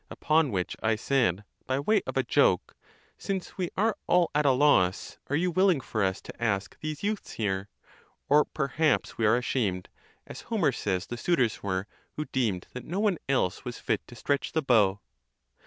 Upon which I said, by way of a joke, Since we are all at a loss, are you willing for us to ask these youths here? Or perhaps we are ashamed, as Homer (Od. xxi. 285) says the suitors were, who deemed that no one else was fit to stretch the bow.